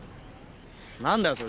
何だよそれ。